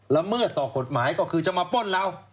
ละเมิดต่อกฎหมายก็คือจะมาป้นเรา